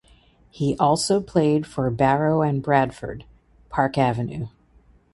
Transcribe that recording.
He also played for Barrow and Bradford (Park Avenue).